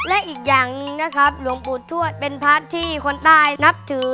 และอีกอย่างหนึ่งนะครับหลวงปู่ทวดเป็นพระที่คนใต้นับถือ